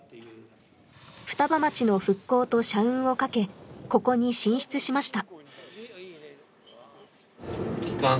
双葉町の復興と社運をかけ、ここに進出しました。